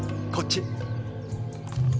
こっち。